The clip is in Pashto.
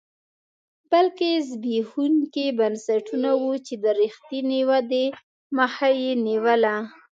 بلکې زبېښونکي بنسټونه وو چې د رښتینې ودې مخه یې نیوله